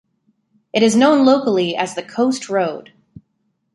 It is known locally as the Coast Road.